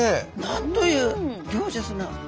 なんというギョージャスな！